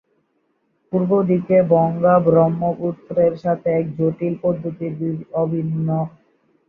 পূর্ব দিকে গঙ্গা ব্রহ্মপুত্রের সাথে এক জটিল পদ্ধতির অভিন্ন বণ্টনের মাধ্যমে বঙ্গোপসাগরের মিলিত হয়েছে।